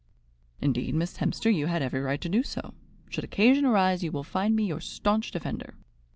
"Indeed, Miss Hemster, you had every right to do so. Should occasion arise, you will find me your staunch defender."